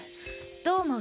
どう思う？